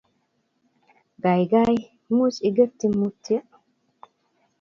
Gaigai, much igetyi Mutyo?